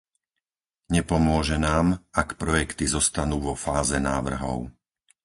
Nepomôže nám, ak projekty zostanú vo fáze návrhov.